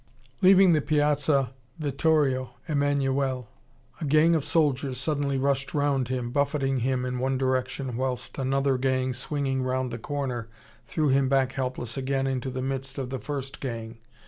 Leaving the Piazza Vittorio Emmanuele a gang of soldiers suddenly rushed round him, buffeting him in one direction, whilst another gang, swinging round the corner, threw him back helpless again into the midst of the first gang.